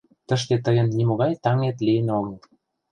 — Тыште тыйын нимогай таҥет лийын огыл.